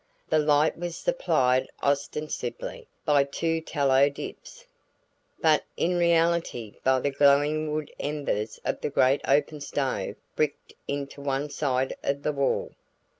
The light was supplied ostensibly by two tallow dips, but in reality by the glowing wood embers of the great open stove bricked into one side of the wall.